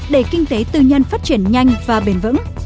để kinh tế tư nhân phát triển nhanh và bền vững